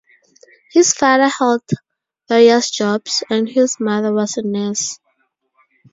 His father held various jobs, and his mother was a nurse.